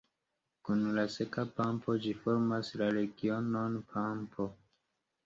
Kun la Seka Pampo ĝi formas la regionon Pampo.